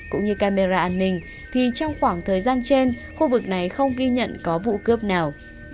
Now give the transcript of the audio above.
cũng như camera an ninh thì trong khoảng thời gian trên khu vực này không ghi nhận có vụ cướp nào